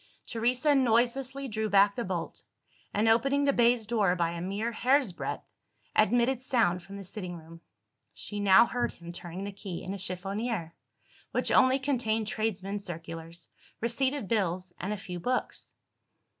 Teresa noiselessly drew back the bolt; and, opening the baize door by a mere hair's breadth, admitted sound from the sitting room. She now heard him turning the key in a chiffonier, which only contained tradesmen's circulars, receipted bills, and a few books.